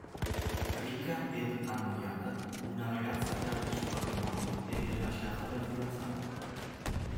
Ricca ed annoiata, una ragazza perde il suo patrimonio e viene lasciata dal fidanzato.